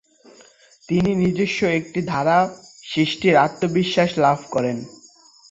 তিনি নিজস্ব একটি ধারা সৃষ্টির আত্মবিশ্বাস লাভ করেন।